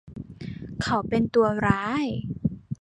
เขาเป็นตัวร้าย